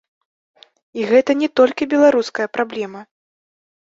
І гэта не толькі беларуская праблема.